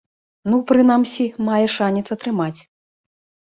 Ну, прынамсі, мае шанец атрымаць.